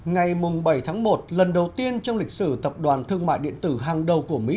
ngày bảy tháng một lần đầu tiên trong lịch sử tập đoàn thương mại điện tử hàng đầu của mỹ